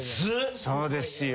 そうですよ。